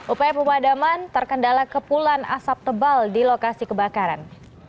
upaya pemadaman terkendala kepulan asap tebal di lokasi kebakaran